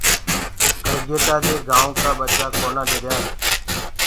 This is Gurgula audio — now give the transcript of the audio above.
ڪرگيٽآ دي گآيوُنٚ ڪآ ٻچآ ڪونآ ڏريآئينٚ۔